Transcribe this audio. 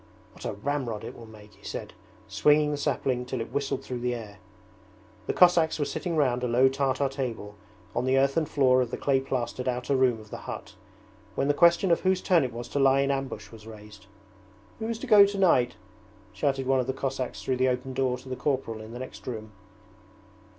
'What a ramrod it will make,' he said, swinging the sapling till it whistled through the air. The Cossacks were sitting round a low Tartar table on the earthen floor of the clay plastered outer room of the hut, when the question of whose turn it was to lie in ambush was raised. 'Who is to go tonight?' shouted one of the Cossacks through the open door to the corporal in the next room.